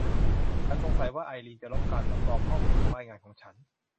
ฉันสงสัยว่าไอรีนจะลบการสำรองข้อมูลของรายงานของฉัน